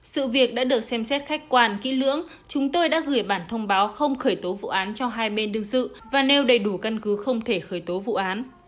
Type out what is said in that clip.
sự việc đã được xem xét khách quan kỹ lưỡng chúng tôi đã gửi bản thông báo không khởi tố vụ án cho hai bên đương sự và nêu đầy đủ căn cứ không thể khởi tố vụ án